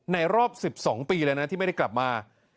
รอบ๑๒ปีเลยนะที่ไม่ได้กลับมา